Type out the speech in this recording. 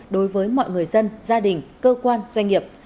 đối với mọi người dân gia đình cơ quan doanh nghiệp